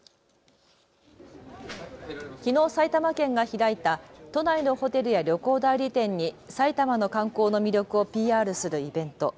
きのう埼玉県が開いた都内のホテルや旅行代理店に埼玉の観光の魅力をＰＲするイベント。